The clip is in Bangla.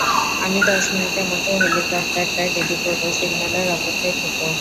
আমি দশ মিনিটের মধ্যে হেলিকপ্টারটা রেডি করবো, সিগন্যালের অপেক্ষায় থেকো।